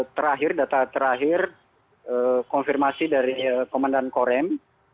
terakhir data terakhir konfirmasi dari komandan korem